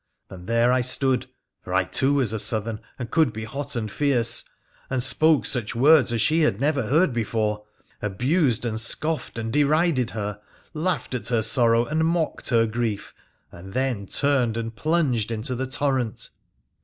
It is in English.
And there I stood — for I too was a Southern, and could be hot and fierce — and spoke such words as she had never heard before— abused and scoffed and derided her : laughed at her sorrow and mocked her grief, and then turned and plunged into the torrent.